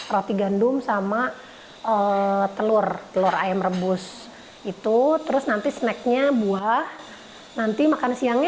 roti gandum sama telur telur ayam rebus itu terus nanti snacknya buah nanti makan siangnya